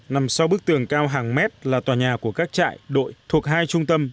nằm sau bức tường cao hàng mét là tòa nhà của các trại đội thuộc hai trung tâm